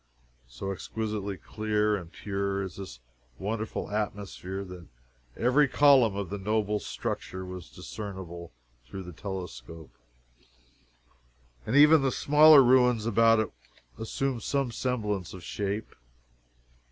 So exquisitely clear and pure is this wonderful atmosphere that every column of the noble structure was discernible through the telescope, and even the smaller ruins about it assumed some semblance of shape.